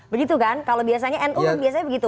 begitu kan kalau biasanya nu kan biasanya begitu